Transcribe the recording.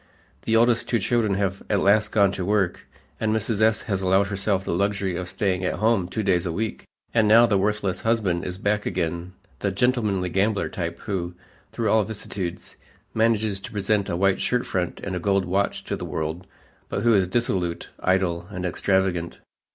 The oldest two children have at last gone to work, and Mrs. S. has allowed herself the luxury of staying at home two days a week. And now the worthless husband is back again the "gentlemanly gambler" type who, through all vicissitudes, manages to present a white shirtfront and a gold watch to the world, but who is dissolute, idle and extravagant.